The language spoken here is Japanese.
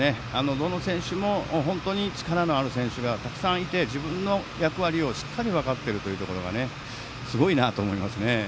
どの選手も本当に力のある選手がたくさんいて、自分の役割をしっかり分かっているところがすごいなと思いますね。